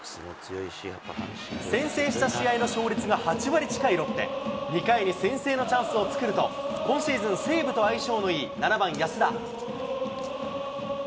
先制した試合の勝率が８割近いロッテ、２回に先制のチャンスを作ると、今シーズン、西武と相性のいい７番安田。